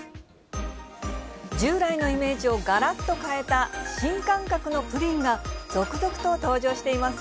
従来のイメージをがらっと変えた、新感覚のプリンが続々と登場しています。